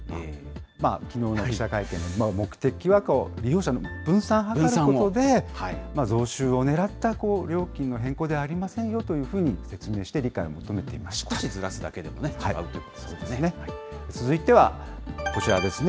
きのうの記者会見の目的は、利用者の分散を図ることで、増収をねらった料金の変更ではありませんよというふうに説明して理解少しずらすだけでも違うとい続いては、こちらですね。